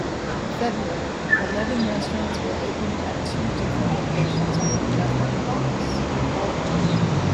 February - Eleven restaurants will open at two different locations within Bethlehem Works.